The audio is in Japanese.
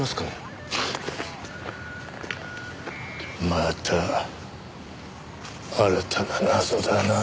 また新たな謎だな。